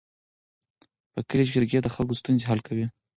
په کلي کې جرګې د خلکو ستونزې حل کوي.